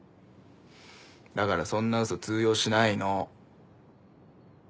だからそんなウソ通用しないの。